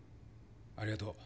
ありがとう。